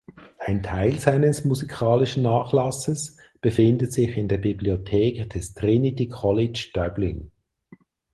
Ein Teil seines musikalischen Nachlasses befindet sich in der Bibliothek des Trinity College Dublin.